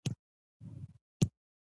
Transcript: میمونۍ ځان چړې ته جوړ که